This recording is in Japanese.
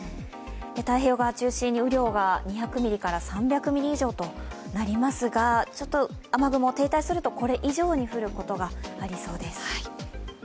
太平洋側中心に雨量が２００ミリから３００ミリ以上となりますが、雨雲、停滞するとこれ以上に降ることがありそうです。